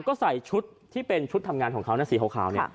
ก็ใส่ชุดที่เป็นชุดทำงานของเขาหน้าสีขาว